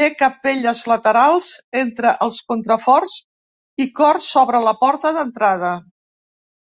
Té capelles laterals entre els contraforts i cor sobre la porta d'entrada.